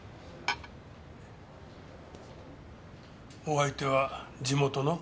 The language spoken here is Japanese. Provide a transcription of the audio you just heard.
お相手は地元の？